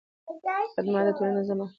خدمت د ټولنیز نظم برخه ده.